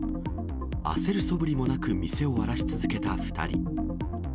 焦るそぶりもなく店を荒らし続けた２人。